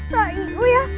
pak ibu ya